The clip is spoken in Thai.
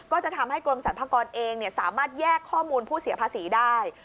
ก็จะทำให้กรมสรรพากรเองสามารถแยกข้อมูลผู้เสียภาษีได้